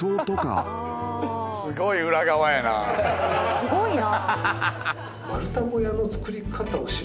すごいな。